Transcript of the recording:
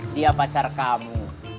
dia pacar kamu